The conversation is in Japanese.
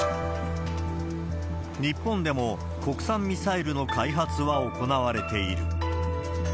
日本でも国産ミサイルの開発は行われている。